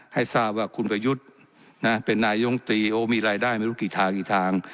ให้ทราบว่าคุณประยุทธ์เป็นนายยงตรีมีรายได้ไม่รู้กี่ทาง